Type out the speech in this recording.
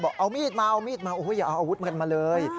บอกเอามีดมาอย่าเอาอาวุธมาเลย